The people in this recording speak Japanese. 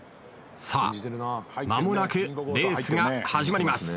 さあ間もなくレースが始まります。